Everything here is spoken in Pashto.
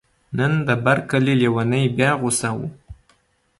نن د بر کلي لیونی بیا غوسه و